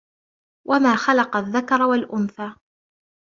وَمَا خَلَقَ الذَّكَرَ وَالْأُنْثَى